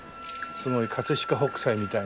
すごい飾北斎みたいな